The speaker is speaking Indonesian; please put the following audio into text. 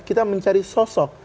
kita mencari sosok